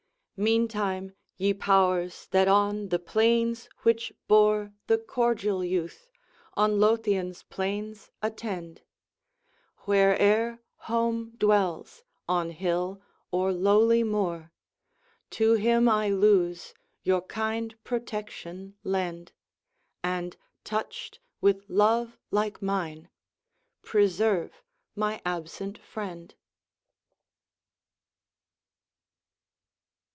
] Meantime, ye Powers that on the plains which bore The cordial youth, on Lothian's plains, attend, Where'er he dwell, on hill or lowly muir, To him I lose your kind protection lend, And, touched with love like mine, preserve my absent friend!